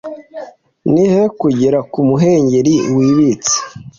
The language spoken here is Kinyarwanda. Nihehe kugera kumuhengeri wimbitse